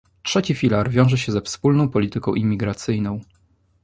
Trzeci filar wiąże się ze wspólną polityką imigracyjną